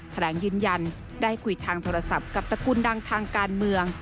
แถลงยืนยันได้คุยทางโทรศัพท์กับตระกูลดังทางการเมือง